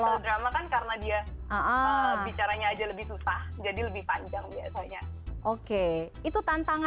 misalnya historical drama kan karena dia bicaranya aja lebih susah jadi lebih panjang biasanya